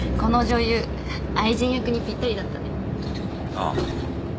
ああ。